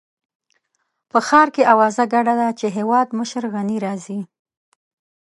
په ښار کې اوازه ګډه ده چې هېوادمشر غني راځي.